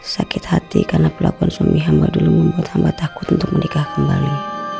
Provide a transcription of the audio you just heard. sakit hati karena perlakuan suami hamba dulu membuat hamba takut untuk menikah kembali